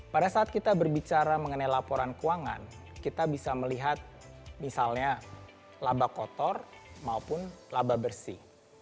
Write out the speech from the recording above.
pada saat kita berbicara mengenai laporan keuangan kita bisa melihat misalnya laba kotor maupun laba bersih